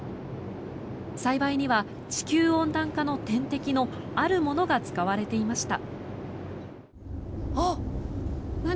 栽培には地球温暖化の天敵のあるものが使われていました。